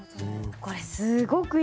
これすごくいいですね。